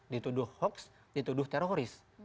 dituduh hoaks dituduh teroris